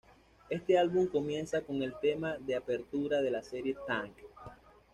Este álbum comienza con el tema de apertura de la serie Tank!.